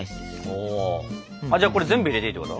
ほじゃあこれ全部入れていいってこと？